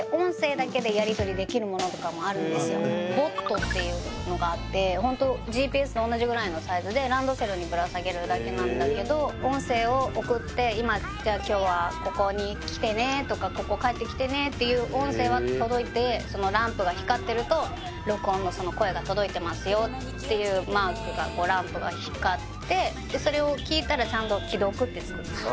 ＢｏＴっていうのがあってＧＰＳと同じぐらいのサイズでランドセルにぶら下げるだけなんだけど音声を送ってじゃあ今日はここに来てねとかここ帰ってきてねっていう音声は届いてランプが光ってると録音のその声が届いてますよっていうマークがランプが光ってそれを聞いたらちゃんと既読ってつくんですよ